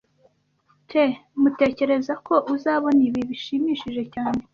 Tmutekereza ko uzabona ibi bishimishije cyane